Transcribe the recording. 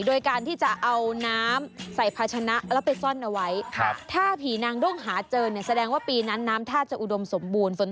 โดยการที่จะเอาน้ำใส่ภาชนะแล้วไปซ่อนเอาไว้ถ้าผีนางด้งหาเจอเนี่ยแสดงว่าปีนั้นน้ำท่าจะอุดมสมบูรณ์